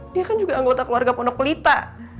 dia kan juga anggota keluarga pondok pelita